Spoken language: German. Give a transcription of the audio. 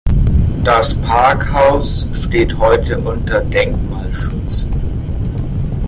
Das Parkhaus steht heute unter Denkmalschutz.